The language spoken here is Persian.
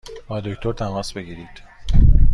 با دکتر تماس بگیرید!